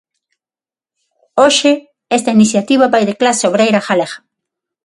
Hoxe, esta iniciativa vai de clase obreira galega.